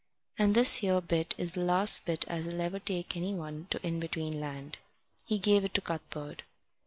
And this here bit is the last bit as'll ever take anyone to In between Land." He gave it to Cuthbert.